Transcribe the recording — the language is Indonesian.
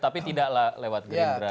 tapi tidaklah lewat gerindra dan pks